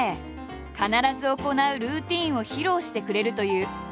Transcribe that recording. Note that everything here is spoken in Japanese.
必ず行うルーティンを披露してくれるという。